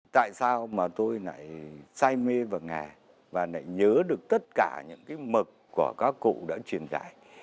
tại sao mà tôi lại say mê vào nhà và lại nhớ được tất cả những cái mật của các cụ đã truyền giải